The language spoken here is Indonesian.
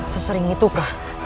sesering itu kah